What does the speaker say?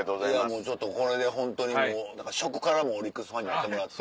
ちょっとこれでホントにもう食からもオリックスファンになってもらって。